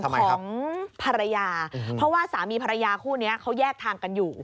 ของภรรยาเพราะว่าสามีภรรยาคู่นี้เขาแยกทางกันอยู่